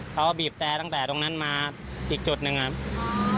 เขาบีบแต่ตั้งแต่ตรงนั้นมาอีกจุดหนึ่งครับ